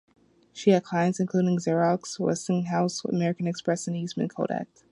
She had clients including Xerox, Westinghouse, American Express, and Eastman Kodak.